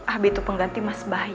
abi itu pengganti mas bayu